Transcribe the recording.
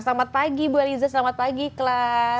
selamat pagi ibu eliza selamat pagi kelas